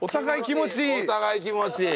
お互い気持ちいい。